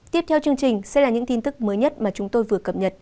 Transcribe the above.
tiếp theo chương trình sẽ là những tin tức mới nhất mà chúng tôi vừa cập nhật